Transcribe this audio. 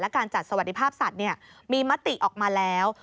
การจัดสวัสดิภาพสัตว์มีมติออกมาแล้ว